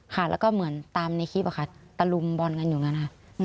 ค่ะแล้วก็เหมือนตามในคลิปอะค่ะตะลุมบอลกันอยู่อย่างนั้นค่ะ